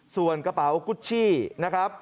ส่วนกระเป๋ากุชชี่นะครับ